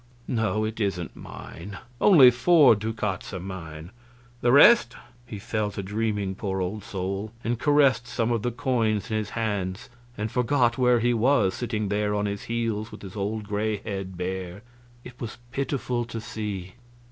"No it isn't mine. Only four ducats are mine; the rest...!" He fell to dreaming, poor old soul, and caressing some of the coins in his hands, and forgot where he was, sitting there on his heels with his old gray head bare; it was pitiful to see.